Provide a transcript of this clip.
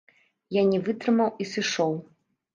Я не вытрымаў і сышоў.